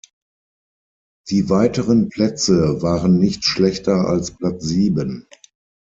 Die weiteren Plätze war nicht schlechter als Platz sieben.